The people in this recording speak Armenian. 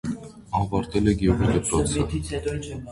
Ավարտել է գյուղի դպրոցը։